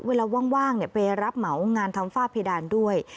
เวลาว่างไปรับเหมางานทำฝ้าเพดานด้วย